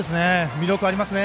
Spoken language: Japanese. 魅力ありますね。